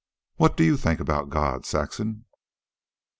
What do you think about God, Saxon?"